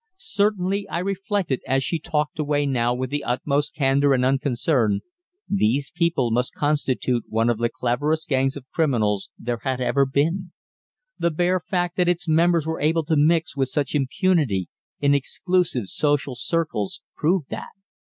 Certainly, I reflected as she talked away now with the utmost candour and unconcern, these people must constitute one of the cleverest gangs of criminals there had ever been; the bare fact that its members were able to mix with such impunity in exclusive social circles proved that.